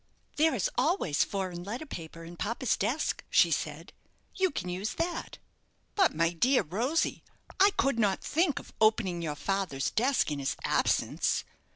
"There is always foreign letter paper in papa's desk," she said; "you can use that." "But, my dear Rosy, I could not think of opening your father's desk in his absence."